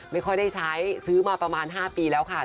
ไม่ค่อยได้ใช้ซื้อมาประมาณ๕ปีแล้วค่ะ